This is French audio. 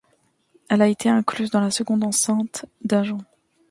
Elle a été incluse dans la seconde enceinte d'Agen.